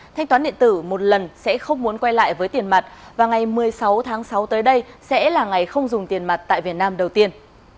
thanh toán điện tử một lần sẽ không muốn quay lại với tiền mặt và ngày một mươi sáu tháng sáu tới đây sẽ là ngày không dùng tiền mặt tại việt nam đầu tiên